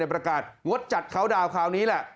ประกาศงดจัดเขาดาวน์คราวนี้แหละ